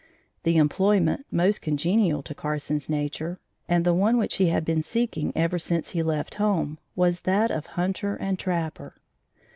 The employment most congenial to Carson's nature, and the one which he had been seeking ever since he left home, was that of hunter and trapper.